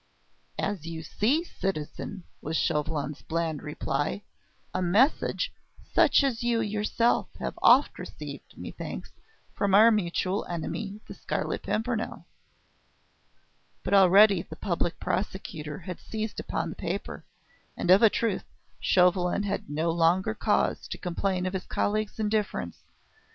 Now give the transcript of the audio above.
"As you see, citizen," was Chauvelin's bland reply. "A message, such as you yourself have oft received, methinks, from our mutual enemy, the Scarlet Pimpernel." But already the Public Prosecutor had seized upon the paper, and of a truth Chauvelin had no longer cause to complain of his colleague's indifference.